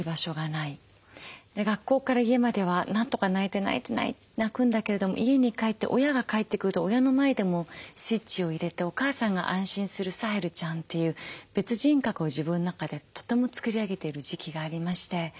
学校から家まではなんとか泣いて泣いて泣くんだけれども家に帰って親が帰ってくると親の前でもスイッチを入れて「お母さんが安心するサヘルちゃん」という別人格を自分の中でとても作り上げている時期がありまして。